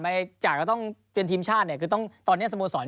จากเราต้องเตรียมทีมชาติเนี่ยคือต้องตอนนี้สโมสร